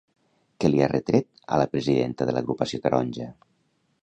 Què li ha retret a la presidenta de l'agrupació taronja?